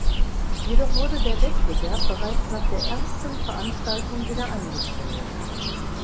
Jedoch wurde der Wettbewerb bereits nach der ersten Veranstaltung wieder eingestellt.